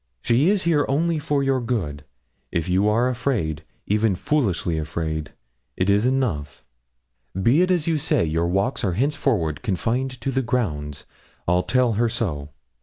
She is here only for your good. If you are afraid even foolishly afraid it is enough. Be it as you say; your walks are henceforward confined to the grounds; I'll tell her so.'